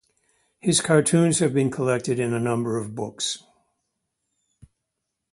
His cartoons have been collected in a number of books.